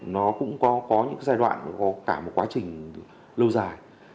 nó cũng có những giai đoạn có cả một quá trình lâu dài